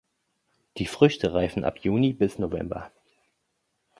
Die Früchte reifen ab Juni bis November.